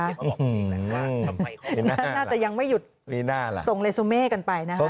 น่าจะยังไม่หยุดส่งเลสูมเม่กันไปนะครับ